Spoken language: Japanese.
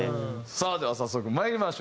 さあでは早速まいりましょう。